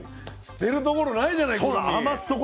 捨てるところないじゃないくるみ。